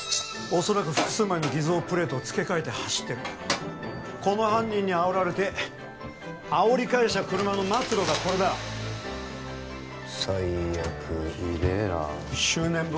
おそらく複数枚の偽造プレートを付け替えて走ってるこの犯人にあおられてあおり返した車の末路がこれだ最悪ひでえな執念